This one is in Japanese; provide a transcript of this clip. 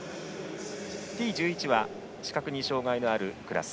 Ｔ１１は視覚に障がいのあるクラス。